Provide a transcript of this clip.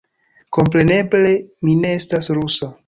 Kompreneble, mi ne estas rusa